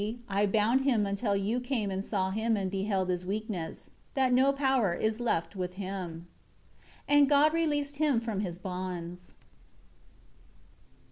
10 See, I bound him until you came and saw him and beheld his weakness, that no power is left with him." 11 And God released him from his bonds.